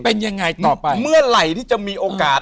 เป็นยังไงต่อไปเมื่อไหร่ที่จะมีโอกาส